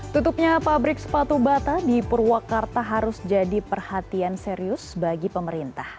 tutupnya pabrik sepatu bata di purwakarta harus jadi perhatian serius bagi pemerintah